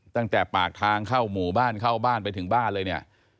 ตั้งแต่ปากทางเข้าหมู่บ้านเข้าบ้านไปถึงบ้านเลยเนี่ย